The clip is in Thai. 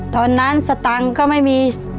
ตอนนั้นสตังก็ไม่มีสมบัติ